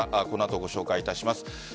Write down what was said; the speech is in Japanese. この後、ご紹介いたします。